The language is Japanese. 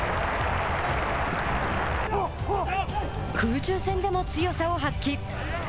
空中戦でも強さを発揮。